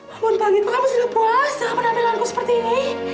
mampun panggil kamu sudah puasa menampilanku seperti ini